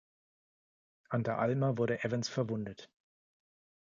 An der Alma wurde Evans verwundet.